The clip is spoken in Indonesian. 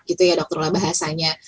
gitu ya dr lola bahasanya